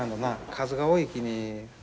数が多いきに。